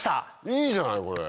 いいじゃないこれ！